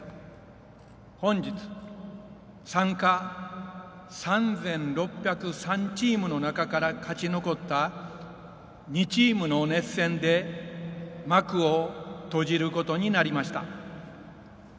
本日、参加３６０３チームの中から勝ち残った２チームの熱戦で幕を閉じることになりました。